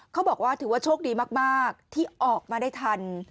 เขาบอกว่าถือว่าโชคดีมากที่ออกมาได้ทัน